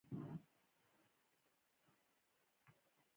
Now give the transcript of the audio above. غرمنۍ کی څه خورئ؟ ښوروا، ، سلاډ او ډوډۍ